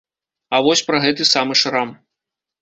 А вось пра гэты самы шрам.